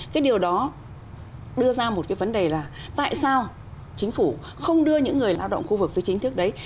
cái điều đó đưa ra một cái vấn đề là tại sao chính phủ không đưa những người lao động khu vực phía chính thức đấy